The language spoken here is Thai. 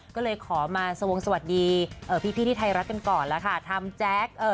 ก็เลยขอมาสวงสวัสดีพี่ที่ไทยรัฐกันก่อนแล้วค่ะทำแจ๊ค